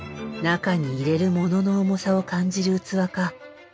中に入れるモノの重さを感じる器か。